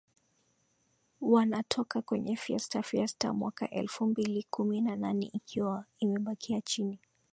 wanatoka kwenye Fiesta Fiesta mwaka elfu mbili kumi na nane Ikiwa imebakia chini